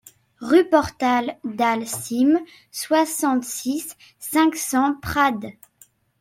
Rue Portal Dal Cim, soixante-six, cinq cents Prades